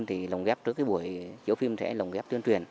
thì lồng ghép trước buổi chủ phim sẽ lồng ghép tuyên truyền